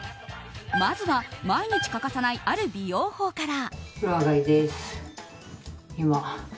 まずは毎日欠かさないある美容法から。